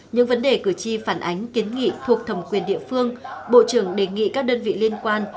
những vấn đề cử tri phản ánh kiến nghị thuộc thẩm quyền địa phương bộ trưởng đề nghị các đơn vị liên quan